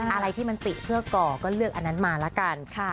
อะไรที่มันติเพื่อก่อก็เลือกอันนั้นมาละกัน